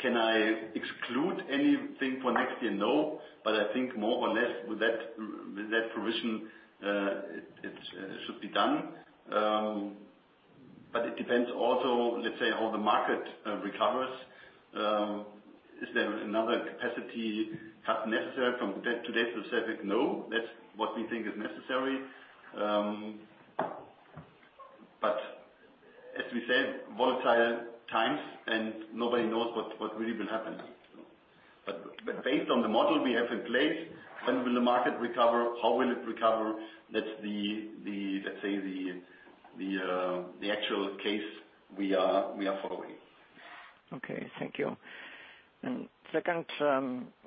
Can I exclude anything for next year? No. But I think more or less with that provision, it should be done. But it depends also, let's say, how the market recovers. Is there another capacity cut necessary from today's perspective? No. That's what we think is necessary. But as we said, volatile times, and nobody knows what really will happen. But based on the model we have in place, when will the market recover? How will it recover? That's, let's say, the actual case we are following. Okay. Thank you. Second,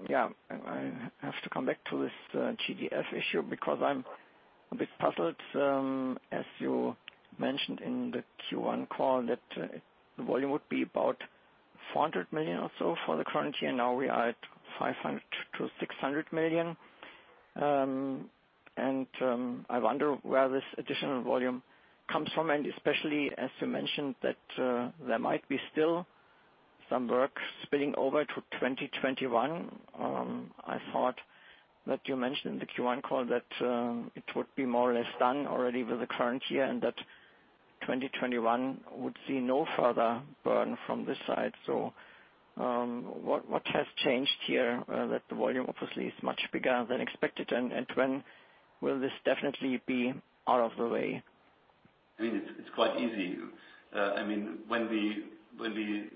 yeah, I have to come back to this GTF issue because I'm a bit puzzled. As you mentioned in the Q1 call, that the volume would be about 400 million or so for the current year. Now we are at 500 million-600 million. And I wonder where this additional volume comes from, and especially as you mentioned that there might be still some work spilling over to 2021. I thought that you mentioned in the Q1 call that it would be more or less done already with the current year and that 2021 would see no further burn from this side. So what has changed here that the volume obviously is much bigger than expected? And when will this definitely be out of the way? I mean, it's quite easy. I mean, when we came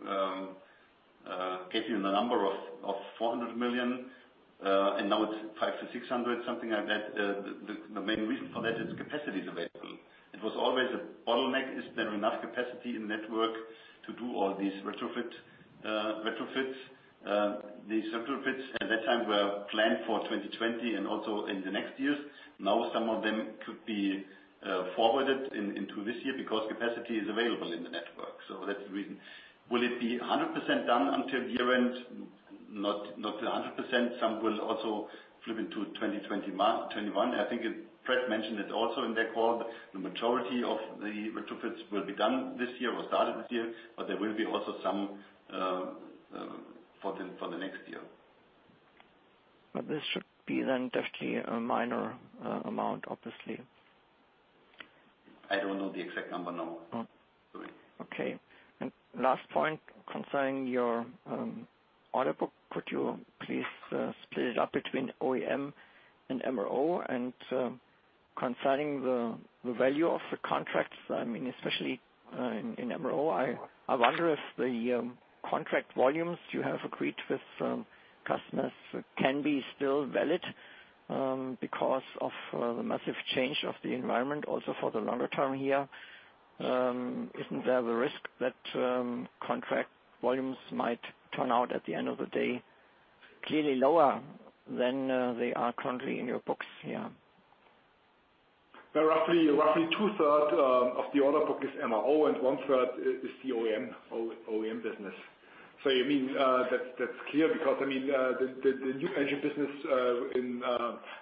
in the number of 400 million and now it's 500 million-600 million, something like that, the main reason for that is capacity is available. It was always a bottleneck. Is there enough capacity in the network to do all these retrofits? These retrofits at that time were planned for 2020 and also in the next years. Now some of them could be forwarded into this year because capacity is available in the network. So that's the reason. Will it be 100% done until year-end? Not 100%. Some will also flip into 2021. I think Pratt mentioned it also in their call. The majority of the retrofits will be done this year or started this year, but there will be also some for the next year. But this should be then definitely a minor amount, obviously. I don't know the exact number now. Okay. And last point concerning your order book, could you please split it up between OEM and MRO? And concerning the value of the contracts, I mean, especially in MRO, I wonder if the contract volumes you have agreed with customers can be still valid because of the massive change of the environment also for the longer term here. Isn't there the risk that contract volumes might turn out at the end of the day clearly lower than they are currently in your books here? Roughly two-thirds of the order book is MRO and one-third is the OEM business. So you mean that's clear because, I mean, the new engine business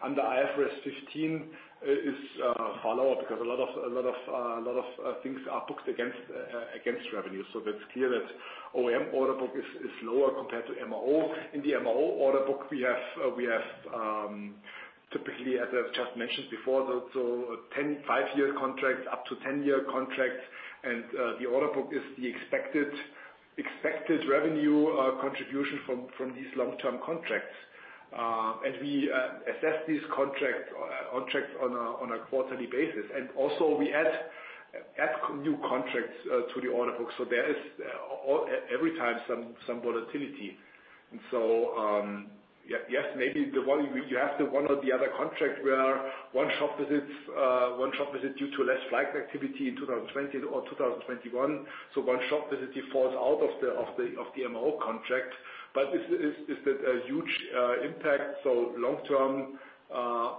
under IFRS 15 is a follow-up because a lot of things are booked against revenue. So that's clear that OEM order book is lower compared to MRO. In the MRO order book, we have typically, as I've just mentioned before, so five-year contracts, up to 10-year contracts, and the order book is the expected revenue contribution from these long-term contracts. And we assess these contracts on a quarterly basis. And also, we add new contracts to the order book. So there is every time some volatility. And so yes, maybe you have to one or the other contract where one shop visit due to less flight activity in 2020 or 2021. So one shop visit falls out of the MRO contract. But is that a huge impact? So long-term,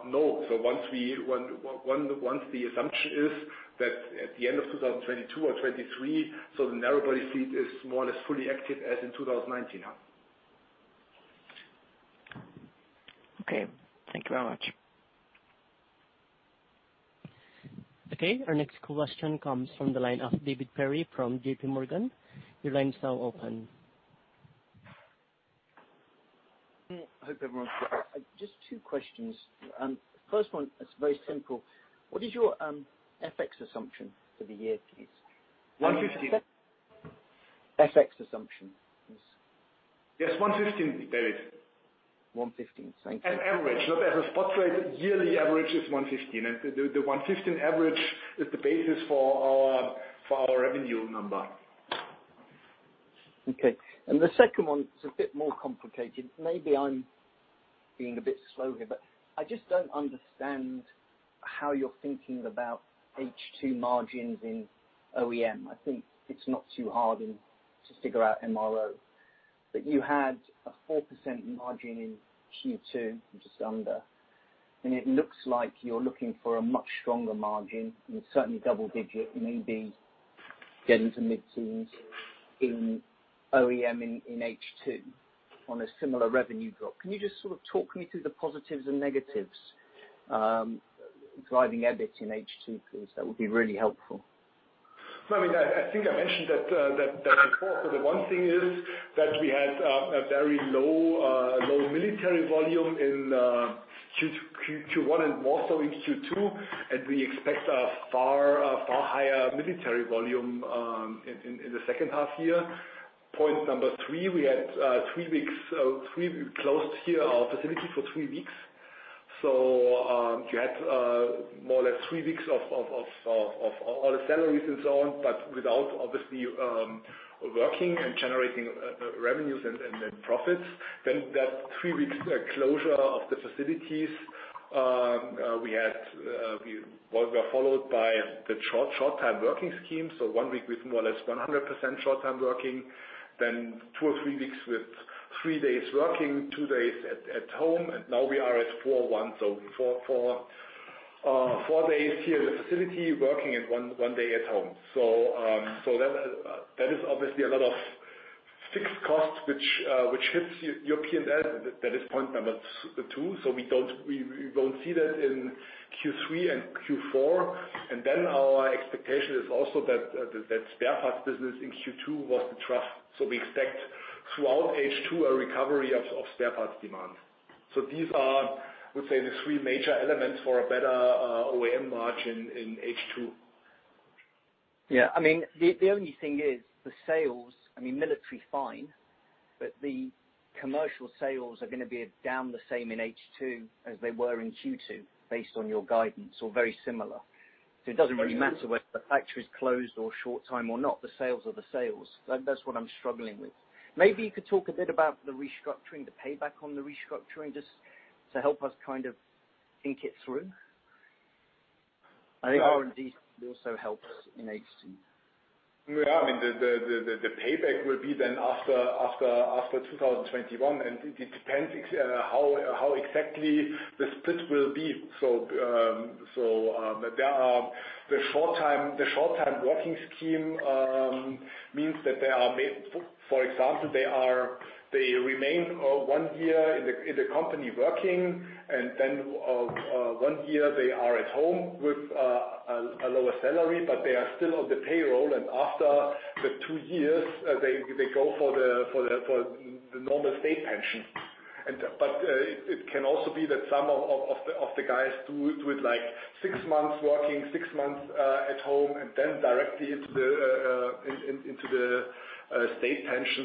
no. So once the assumption is that at the end of 2022 or 2023, so the narrowbody fleet is more or less fully active as in 2019. Okay. Thank you very much. Okay. Our next question comes from the line of David Perry from J.P. Morgan. Your line is now open. Hi, everyone. Just two questions. First one, it's very simple. What is your FX assumption for the year, please? 1.15. FX assumption, please. Yes, 1.15, David. 1.15. Thank you. Average. Look, as a spot trade, yearly average is 1.15. The 1.15 average is the basis for our revenue number. Okay. And the second one is a bit more complicated. Maybe I'm being a bit slow here, but I just don't understand how you're thinking about H2 margins in OEM. I think it's not too hard to figure out MRO. But you had a 4% margin in Q2, just under. And it looks like you're looking for a much stronger margin, certainly double-digit, maybe getting to mid-teens in OEM in H2 on a similar revenue drop. Can you just sort of talk me through the positives and negatives driving EBIT in H2, please? That would be really helpful. I mean, I think I mentioned that before. So the one thing is that we had a very low military volume in Q1 and more so in Q2, and we expect a far higher military volume in the second half year. Point number three, we had three weeks closed here, our facility for three weeks. So you had more or less three weeks of all the salaries and so on, but without, obviously, working and generating revenues and profits. Then that three-week closure of the facilities, we were followed by the short-time working scheme. So one week with more or less 100% short-time working, then two or three weeks with three days working, two days at home. And now we are at four-one. So four days here in the facility working and one day at home. So that is obviously a lot of fixed costs, which hits your P&L. That is point number two. So we won't see that in Q3 and Q4. And then our expectation is also that spare parts business in Q2 was the trough. So we expect throughout H2 a recovery of spare parts demand. So these are, I would say, the three major elements for a better OEM margin in H2. Yeah. I mean, the only thing is the sales. I mean, military fine, but the commercial sales are going to be down the same in H2 as they were in Q2 based on your guidance or very similar. So it doesn't really matter whether the factory is closed or short-time or not. The sales are the sales. That's what I'm struggling with. Maybe you could talk a bit about the restructuring, the payback on the restructuring, just to help us kind of think it through. I think R&D also helps in H2. Yeah. I mean, the payback will be then after 2021, and it depends how exactly the split will be. So the short-time working scheme means that they are, for example, they remain one year in the company working, and then one year they are at home with a lower salary, but they are still on the payroll. And after the two years, they go for the normal state pension. But it can also be that some of the guys do it like six months working, six months at home, and then directly into the state pension.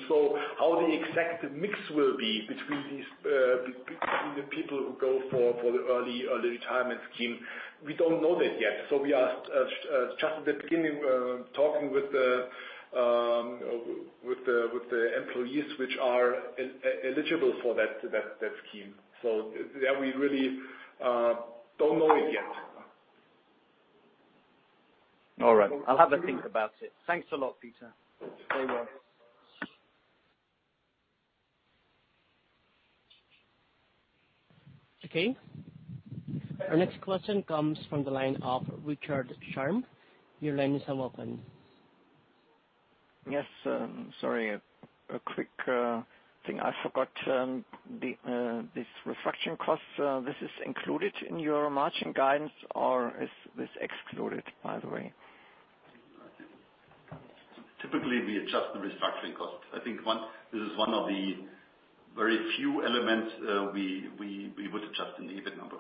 So how the exact mix will be between the people who go for the early retirement scheme, we don't know that yet. So we are just at the beginning talking with the employees which are eligible for that scheme. So we really don't know it yet. All right. I'll have a think about it. Thanks a lot, Peter. Stay well. Okay. Our next question comes from the line of Richard Schramm. Your line is now open. Yes. Sorry, a quick thing. I forgot this restructuring cost. This is included in your margin guidance, or is this excluded, by the way? Typically, we adjust the restructuring cost. I think this is one of the very few elements we would adjust in the EBIT number.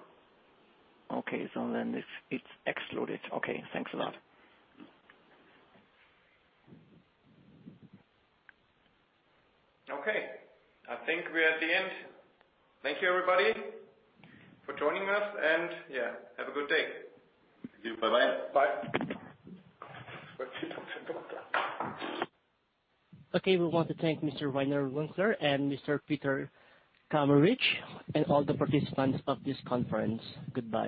Okay, so then it's excluded. Okay. Thanks a lot. Okay. I think we're at the end. Thank you, everybody, for joining us, and yeah, have a good day. Thank you. Bye-bye. Bye. Okay. We want to thank Mr. Reiner Winkler and Mr. Peter Kameritsch and all the participants of this conference. Goodbye.